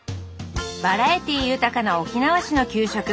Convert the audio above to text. バラエティー豊かな沖縄市の給食。